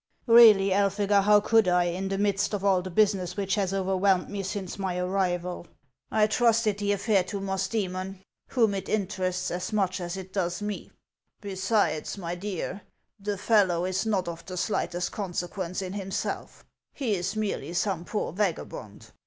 "Keally, Elphega, how could I, in the midst of all the business which has overwhelmed me since my arrival ? I trusted the affair to Musdcemon, whom it interests as much as it does me. Besides, my dear, the fellow is not of the slightest consequence in himself; he is merely some poor vagabond.